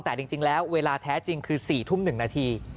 แต่จริงแล้วเวลาแท้จริงคือ๔ทุ่ม๑นาที